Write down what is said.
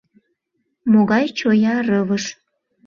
Могай чоя рывыж!